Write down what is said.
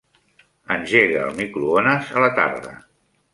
Engega el microones a la tarda.